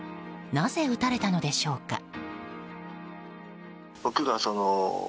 なぜ撃たれたのでしょうか？